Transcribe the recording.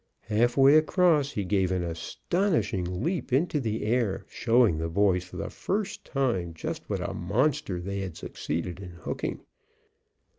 Half way across he gave an astonishing leap into the air, showing the boys for the first time just what a monster they had succeeded in hooking.